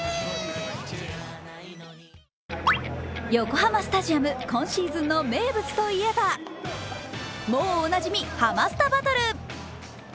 横浜スタジアム、今シーズンの名物といえばもうおなじみ、ハマスタバトル。